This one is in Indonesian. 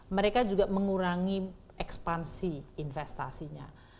mereka juga mengurangi ekspansi investasinya